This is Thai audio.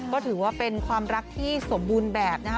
ก็ถือว่าเป็นความรักที่สมบูรณ์แบบนะคะ